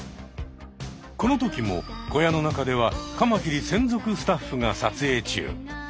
このときも小屋の中ではカマキリ専属スタッフが撮影中。